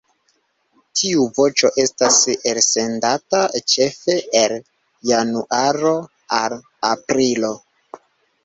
Tiu voĉo estas elsendata ĉefe el januaro al aprilo.